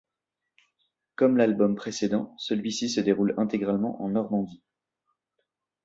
Comme l’album précédent, celui-ci se déroule intégralement en Normandie.